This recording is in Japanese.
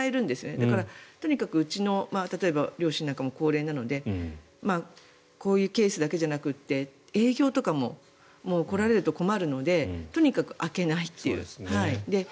だから、とにかくうちの両親なんかも高齢なのでこういうケースだけじゃなくて営業とかも、来られると困るのでとにかく開けないという。